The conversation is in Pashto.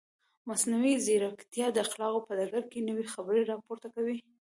مصنوعي ځیرکتیا د اخلاقو په ډګر کې نوې خبرې راپورته کوي.